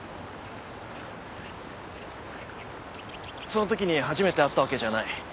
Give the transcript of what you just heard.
その時に初めて会ったわけじゃない。